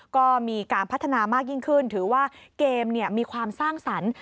ก็มีการพัฒนามากยิ่งขึ้นถือว่าเกมมีความสร้างสรรค์